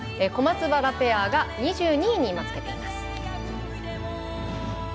小松原ペアが２２位につけています。